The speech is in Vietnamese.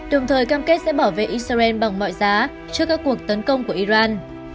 đồng thời cam kết sẽ bảo vệ israel bằng mọi giá trước các cuộc tấn công của iran